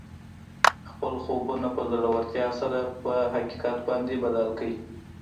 خپل خوبونه په زړورتیا سره پر حقیقت باندې بدل کړئ